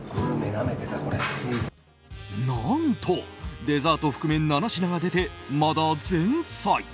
何と、デザート含め７品が出てまだ前菜。